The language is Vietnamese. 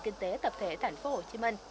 kinh tế tập thể thành phố hồ chí minh